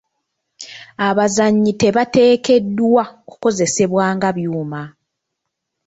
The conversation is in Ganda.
Abazannyi tebateekeddwa kukozesebwa nga byuma.